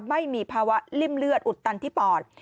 ไม่มีภาวะริ่มเลือดอุดตันที่ปอด